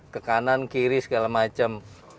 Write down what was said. ke kanan kiri segala macam